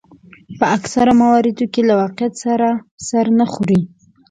په اکثرو مواردو کې له واقعیت سره سر نه خوري.